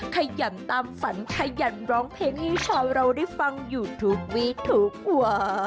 ขยันตามฝันขยันร้องเพลงให้ชาวเราได้ฟังอยู่ทุกวีทุกวัน